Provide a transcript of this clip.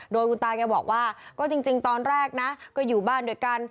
โดยคุณตาแกบอกว่าก็จริงตอนแรกนะก็อยู่บ้านด้วยกัน